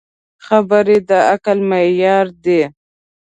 خبرې د عقل معیار دي.